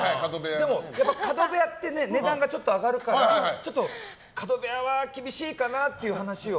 でも角部屋って値段がちょっと上がるからちょっと角部屋は厳しいかなって話を。